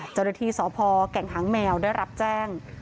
เจ้าละที่สวพอศ์แก่งทางแมวได้รับแจ้ง